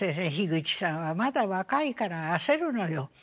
「口さんはまだ若いから焦るのよ。